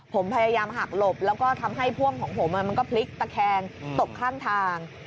ผมพยายามหักหลบแล้วก็ทำให้พ่วงของผมมันก็พลิกตะแคงตกข้างทาง